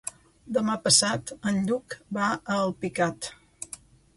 Demà passat en Lluc va a Alpicat.